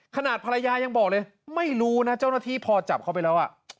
ขนาดภรรยายังบอกเลยไม่รู้นะเจ้าหน้าที่พอจับเขาไปแล้ว